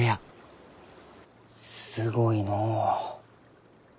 すごいのう。